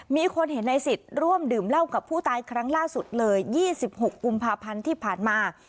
มีคนเห็นในสิทธิ์ร่วมดื่มเหล้ากับผู้ตายครั้งล่าสุดเลย๒๖กุมภาพันธ์ที่ผ่านมา